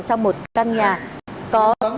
trong một căn nhà có